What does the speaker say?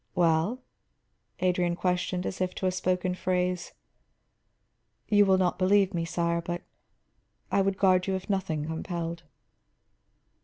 "Well?" Adrian questioned, as if to a spoken phrase. "You will not believe me, sire, but I would guard you if nothing compelled."